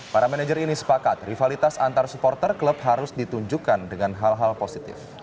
para manajer ini sepakat rivalitas antar supporter klub harus ditunjukkan dengan hal hal positif